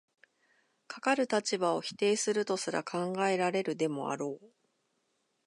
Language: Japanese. かかる立場を否定するとすら考えられるでもあろう。